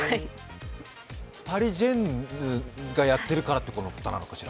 パリジェンヌがやっているからということなのかしら？